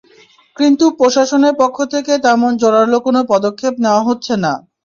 কিন্তু প্রশাসনের পক্ষ থেকে তেমন জোরালো কোনো পদক্ষেপ নেওয়া হচ্ছে না।